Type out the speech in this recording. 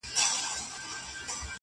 كه د زړه غوټه درته خلاصــه كــړمــــــه_